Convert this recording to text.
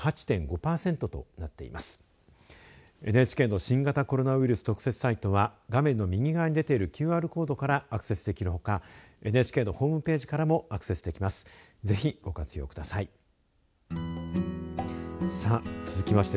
ＮＨＫの新型コロナウイルス特設サイトは画面の右側に出ているＱＲコードからアクセスできるほかＮＨＫのホームページからもアクセスできます。